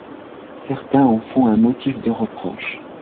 Certains en font un motif de reproche.